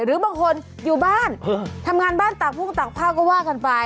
หรือบางคนอยู่บ้านทำงานบ้านตากพุ่งตากผ้าก็ว่ากันไป